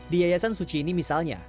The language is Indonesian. di yayasan suci ini misalnya